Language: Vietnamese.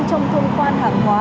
thông quan hàng hóa